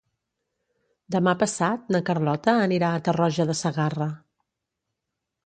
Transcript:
Demà passat na Carlota anirà a Tarroja de Segarra.